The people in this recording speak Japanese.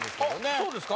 あそうですか？